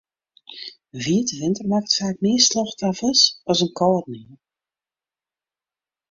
In wiete winter makket faak mear slachtoffers as in kâldenien.